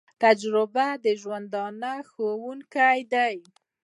تجربه د ژوند ښوونکی ده